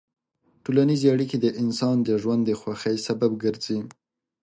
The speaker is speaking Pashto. ټولنیز اړیکې د انسان د ژوند د خوښۍ سبب ګرځي.